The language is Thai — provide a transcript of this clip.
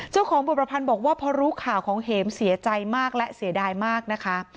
เจ้าของบทประพันธ์บอกว่าพอรู้ข่าวของเห็มเสียใจมากและเสียดายมากนะคะ